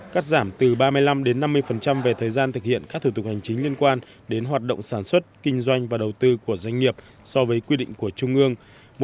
cắt giảm từ ba mươi năm năm mươi về thời gian thực hiện các thủ tục hành chính liên quan đến hoạt động sản xuất kinh doanh và đầu tư của doanh nghiệp so với quy định của trung ương